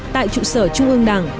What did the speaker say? tại trụ sở trung ương đảng